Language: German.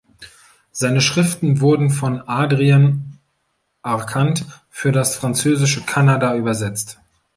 Seine Schriften wurden von Adrien Arcand für das französische Kanada übersetzt.